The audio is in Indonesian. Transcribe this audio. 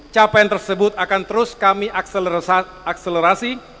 capaian tersebut akan terus kami akselerasi